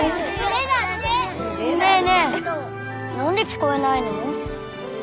ねえねえ何で聞こえないの？